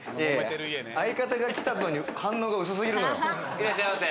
いらっしゃいませ。